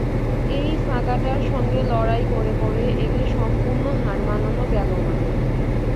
এই ফাঁকাটার সঙ্গে লড়াই করে করে একে সম্পূর্ণ হার মানানো গেল না।